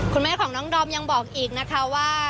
คุณแม่ของน้องดอมยังบอกอีกนะคะว่า